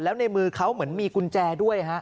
แล้วในมือเขาเหมือนมีกุญแจด้วยฮะ